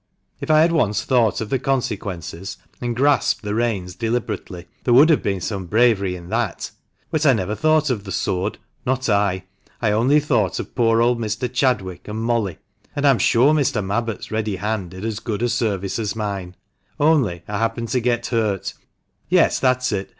If I had once thought of consequences and grasped the reins deliberately, there would have been some bravery in that. But I never thought of the sword, not I. I only thought of poor old Mr. Chadwick and Molly; and I'm sure Mr. Mabbott's ready hand did as good service as mine. Only, I happened to get hurt. Yes, that's it!